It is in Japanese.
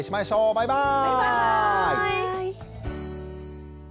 バイバーイ！